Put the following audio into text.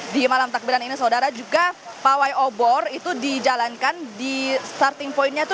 di malam takbiran ini saudara juga pawai obor itu dijalankan di starting pointnya itu